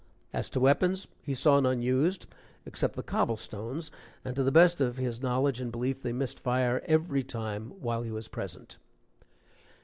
As to weapons, he saw none used except the cobble stones, and to the best of his knowledge and belief they missed fire every time while he was present.)